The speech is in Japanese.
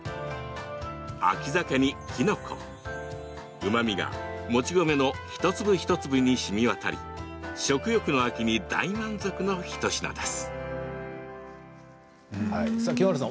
うまみが、もち米の一粒一粒にしみ渡り食欲の秋に大満足の一品です。